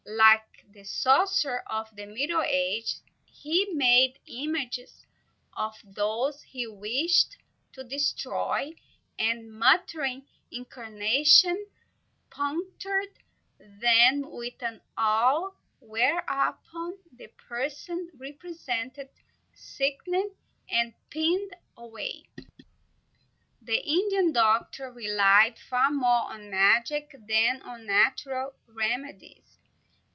Like the sorcerer of the Middle Ages, he made images of those he wished to destroy, and, muttering incantations, punctured them with an awl, whereupon the persons represented sickened and pined away. The Indian doctor relied far more on magic than on natural remedies.